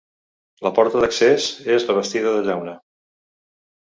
La porta d'accés és revestida de llauna.